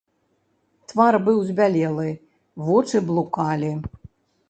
Твар быў збялелы, вочы блукалі.